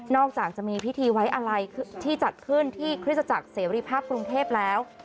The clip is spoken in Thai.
อกจากจะมีพิธีไว้อะไรที่จัดขึ้นที่คริสตจักรเสรีภาพกรุงเทพแล้ว